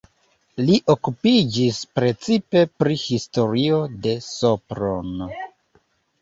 Li okupiĝis precipe pri historio de Sopron.